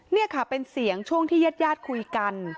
เนี่ยค่ะเป็นเสียงช่วงที่เย็ดยาดคุยกัน